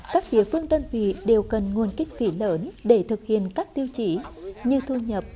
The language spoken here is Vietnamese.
các địa phương đơn vị đều cần nguồn kích phí lớn để thực hiện các tiêu chí như thu nhập